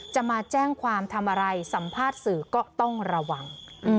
จะมาแจ้งความทำอะไรสัมภาษณ์สื่อก็ต้องระวัง